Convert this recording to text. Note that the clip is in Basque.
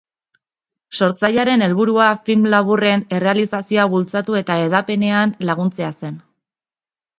Sortzailearen helburua film laburren errealizazioa bultzatu eta hedapenean laguntzea zen.